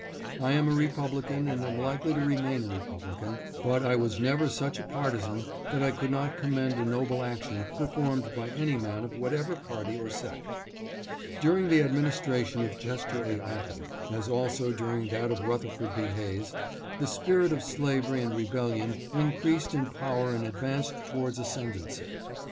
I am a Republican and am likely to remain a Republican, but I was never such a partisan that I could not commend a noble action performed by any man of whatever party or sect. During the administration of Chester A. Arthur, as also during that of Rutherford B. Hayes, the spirit of slavery and rebellion increased in power and advanced towards ascendency.